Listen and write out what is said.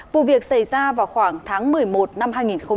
vụ việc xảy ra vào khoảng tháng một mươi một năm hai nghìn hai mươi một